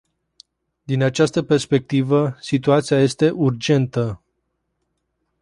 Din această perspectivă, situația este urgentă.